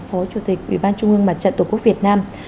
phó chủ tịch ủy ban trung ương mặt trận tổ quốc việt nam